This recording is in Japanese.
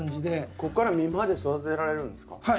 ここから実まで育てられるんですか？